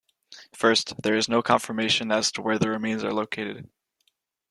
First, there is no confirmation as to where the remains are located.